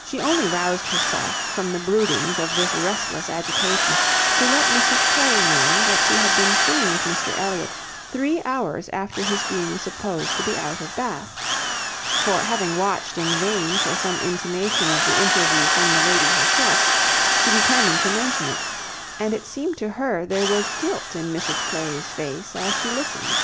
She only roused herself from the broodings of this restless agitation, to let Mrs Clay know that she had been seen with Mr Elliot three hours after his being supposed to be out of Bath, for having watched in vain for some intimation of the interview from the lady herself, she determined to mention it, and it seemed to her there was guilt in Mrs Clay's face as she listened.